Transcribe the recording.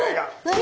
え？